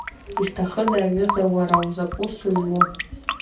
Изҭахыда, аҩыза, уара узакә усуҩу?!